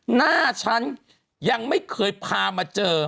หน้าฉันยังไม่เคยพามาเจอ